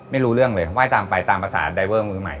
ไม่รู้เรื่องเลยไหว้ตามไปตามภาษาไดเวอร์มือใหม่